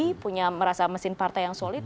pks merasa punya merasa mesin partai yang solid